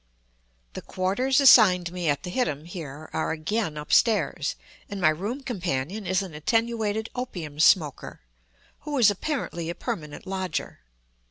The quarters assigned me at the hittim, here, are again upstairs, and my room companion is an attenuated opium smoker, who is apparently a permanent lodger.